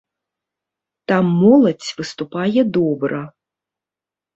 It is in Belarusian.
Там моладзь выступае добра.